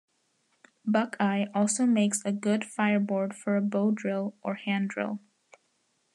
Buckeye also makes a good fireboard for a bow drill or hand drill.